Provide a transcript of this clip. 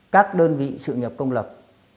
các đơn vị sự nhập công lập